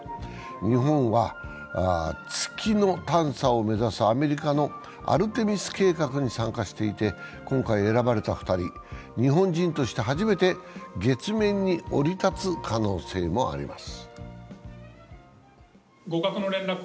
日本は月の探査を目指すアメリカのアルテミス計画に参加していて、今回選ばれた２人、日本人として初めて月面に降り立つ可能性もあります。